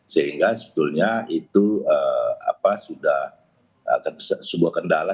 sehingga sebetulnya itu sudah sebuah kendala